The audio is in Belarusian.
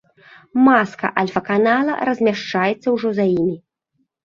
Маска альфа-канала размяшчаецца ўжо за імі.